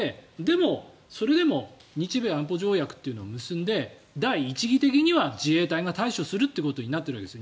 それでも日米安保条約を結んで第一義的には自衛隊が対処するということになっているんです。